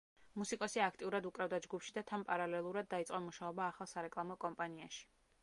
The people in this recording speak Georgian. მუსიკოსი აქტიურად უკრავდა ჯგუფში და თან პარალელურად დაიწყო მუშაობა ახალ სარეკლამო კომპანიაში.